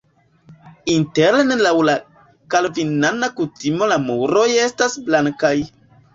Interne laŭ la kalvinana kutimo la muroj estas blankaj.